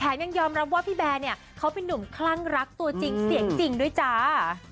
ยังยอมรับว่าพี่แบร์เนี่ยเขาเป็นนุ่มคลั่งรักตัวจริงเสียงจริงด้วยจ้า